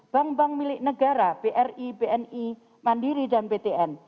bank bank milik negara bri bni mandiri dan ptn